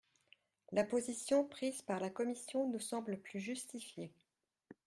La position prise par la commission nous semble plus justifiée.